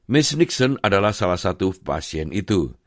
miss nixon adalah salah satu pasien itu